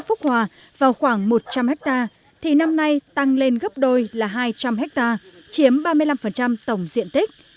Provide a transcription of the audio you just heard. xã phúc hòa vào khoảng một trăm linh ha thì năm nay tăng lên gấp đôi là hai trăm linh ha chiếm ba mươi năm tổng diện tích